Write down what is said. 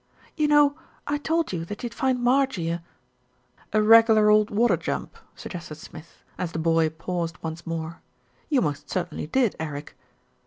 "You know I told you that you'd find Marjie a " "A regular old water jump," suggested Smith, as the boy paused once more. "You most certainly did, Eric."